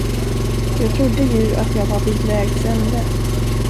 Jag trodde ju att jag var vid vägs ände.